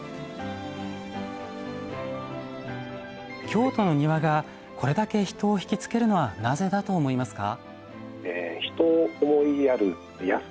京都の庭がこれだけ人を惹きつけるのはなぜだと思いますか？